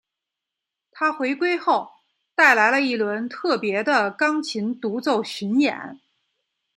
她回归后带来了一轮特别的钢琴独奏巡演。